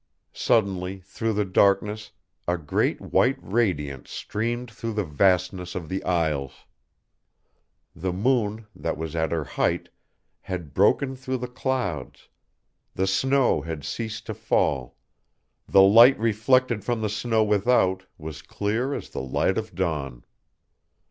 Suddenly through the darkness a great white radiance streamed through the vastness of the aisles; the moon, that was at her height, had broken through the clouds, the snow had ceased to fall, the light reflected from the snow without was clear as the light of dawn.